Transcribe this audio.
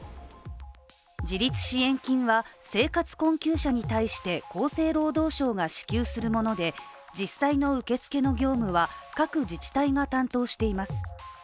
自立支援金は生活困窮者に対して厚生労働省が支給するもので実際の受け付けの業務は各自治体が担当しています。